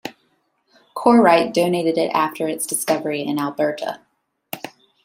Korite donated it after its discovery in Alberta.